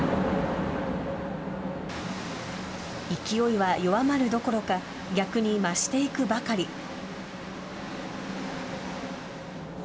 勢いは弱まるどころか逆に増していくばかり。